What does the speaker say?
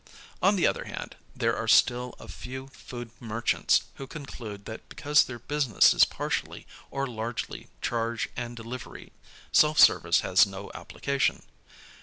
On the other hand, there are still a few food merchants who conclude that because their business is partially or largely charge and delivery, self service has no application.